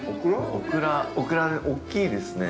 ◆オクラ、大きいですね。